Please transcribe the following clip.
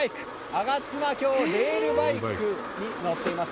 吾妻峡レールバイクに乗っています。